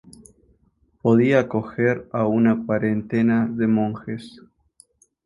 Podía acoger a una cuarentena de monjes.